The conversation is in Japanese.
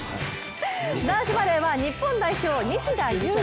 男子バレーは日本代表西田有志。